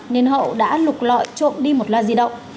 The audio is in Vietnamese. nên hậu đã lục lọi trộm đi một loa di động